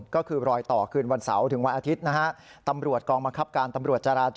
ก็คือรอยต่อคืนวันเสาร์ถึงวันอาทิตย์ตำรวจกองมักคับการ